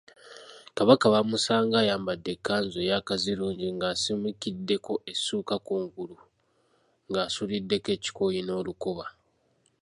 Kakaba baamusanga ayambadde ekkanzu eya Kaazirungi ng’asumikiddeko essuuka kungulu ng’asuuliddeko ekikooyi n’olukoba.